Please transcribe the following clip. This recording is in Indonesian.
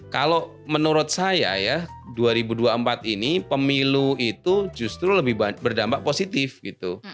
kalau menurut saya ya dua ribu dua puluh empat ini pemilu itu justru lebih berdampak positif gitu